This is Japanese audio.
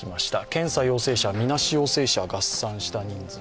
検査陽性者、みなし陽性者を合算した人数。